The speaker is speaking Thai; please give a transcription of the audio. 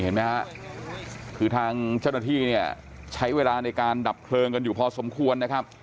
เห็นมั้ยคะทางเจ้าหน้าที่ใช้เวลาในการดับเถิงกันอยู่พอสมควร